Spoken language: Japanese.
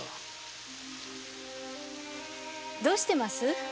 どうしてます？